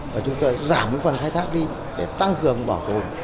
và chúng ta giảm những phần khai thác đi để tăng cường bỏ cồn